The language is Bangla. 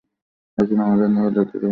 আসুন, আমাদের নিকট রাত্রি যাপন করুন।